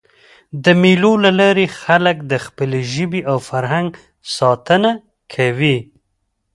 د مېلو له لاري خلک د خپلي ژبي او فرهنګ ساتنه کوي.